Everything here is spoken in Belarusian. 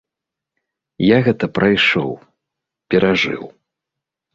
Я гэта прайшоў, перажыў.